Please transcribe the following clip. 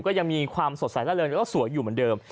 ก็ยังมีความสดใสละเริงแล้วก็สวยอยู่เหมือนเดิม